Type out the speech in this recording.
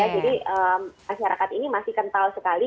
jadi masyarakat ini masih kental sekali